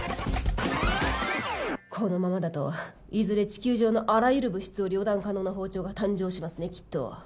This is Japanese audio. このままだといずれ地球上のあらゆる物質を両断可能な包丁が誕生しますねきっと。